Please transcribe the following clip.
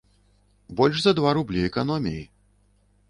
Больш за два рублі эканоміі.